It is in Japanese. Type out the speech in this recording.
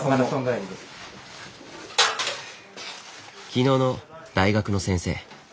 昨日の大学の先生。